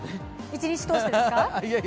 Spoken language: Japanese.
一日通してですか？